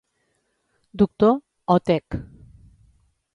Doctor" o "Tek.